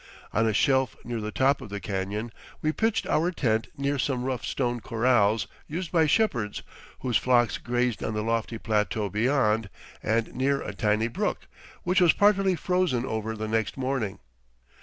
On a shelf near the top of the canyon we pitched our tent near some rough stone corrals used by shepherds whose flocks grazed on the lofty plateau beyond, and near a tiny brook, which was partly frozen over the next morning.